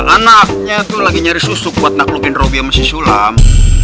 anaknya tuh lagi nyari susuk buat naklukin robby sama si sulam